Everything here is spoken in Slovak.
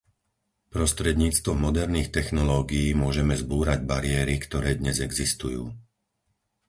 Prostredníctvom moderných technológií môžeme zbúrať bariéry, ktoré dnes existujú.